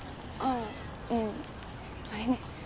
うんあれね。